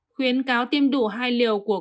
khuyến cáo tiêm đủ hai liều của covid một mươi chín